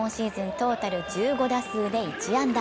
トータル１５打数で１安打。